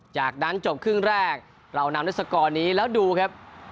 จากนั้นจบครึ่งแรกเรานำด้วยสกอร์นี้แล้วดูครับ